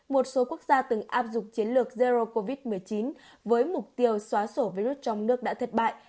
một số quốc gia từng áp dụng chiến lược zero covid một mươi chín với mục tiêu xóa sổ virus trong nước đã thất bại